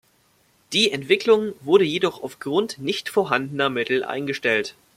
Die Entwicklung wurde jedoch aufgrund nicht vorhandener Mittel eingestellt.